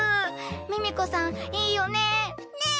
ミミコさんいいよね。ね。